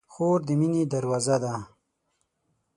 خور د مینې دروازه ده.